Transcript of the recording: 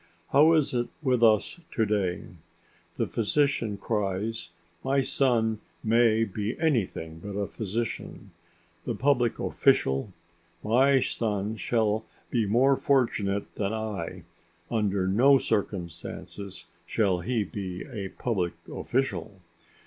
How is it with us to day? The physician cries: My son may be anything but a physician. The public official: My son shall be more fortunate than I; under no circumstances shall he be a public official.